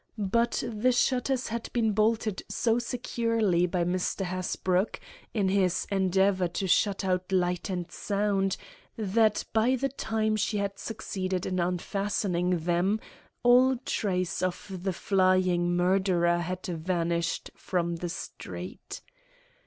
But the shutters had been bolted so securely by Mr. Hasbrouck, in his endeavor to shut out light and sound, that by the time she had succeeded in unfastening them, all trace of the flying murderer had vanished from the street.